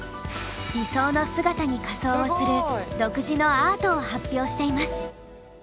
理想の姿に仮装をする独自のアートを発表しています。